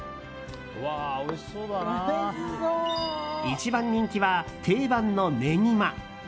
一番人気は定番のネギマ。